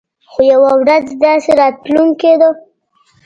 خو يوه ورځ داسې راتلونکې ده.